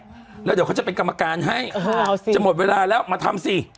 แล้วเดี๋ยวเขาจะเป็นกรรมการให้อ้าวสิจะหมดเวลาแล้วมาทำสิ